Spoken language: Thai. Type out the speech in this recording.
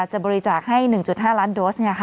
จะบริจาคให้๑๕ล้านโดสเนี่ยค่ะ